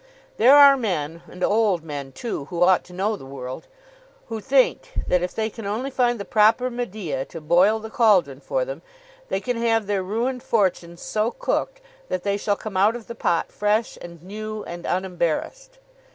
There are men, and old men too, who ought to know the world, who think that if they can only find the proper Medea to boil the cauldron for them, they can have their ruined fortunes so cooked that they shall come out of the pot fresh and new and unembarrassed.